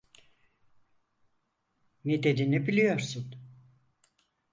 Nedenini biliyorsun.